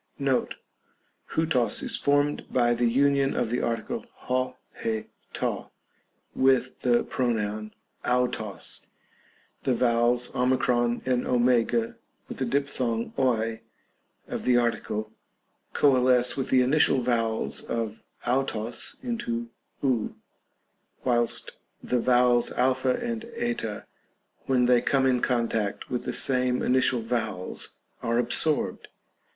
Note, ovTos is formed by the union of the article 6, 17, to, witli the pronoun avros. The vowels o and w, with the diphthong 01 of the article, coalesce with the initial vowels of auros into ov, whilst the vowels a and 7;, when they come in contact with the same initial vowels, are absorbed.